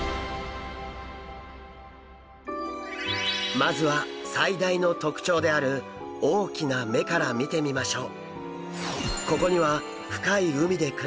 まずは最大の特徴である大きな目から見てみましょう。